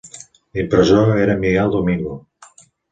L'impressor era Miquel Domingo.